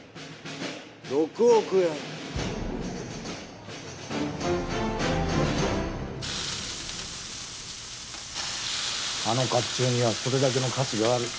６億円あの甲冑にはそれだけの価値がある。